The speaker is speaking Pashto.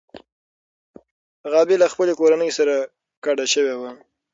غابي له خپلې کورنۍ سره کډه شوې وه.